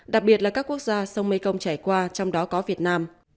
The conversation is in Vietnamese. đặc biệt là các quốc gia sông mekong trải qua trong đó có việt nam